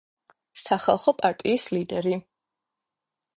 სახალხო პარტიის ლიდერი.